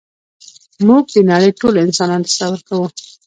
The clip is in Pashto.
موږ د نړۍ ټول انسانان تصور کوو.